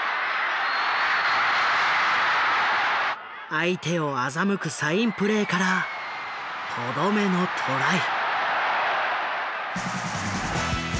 相手を欺くサインプレーからとどめのトライ。